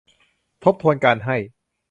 ทบทวนการให้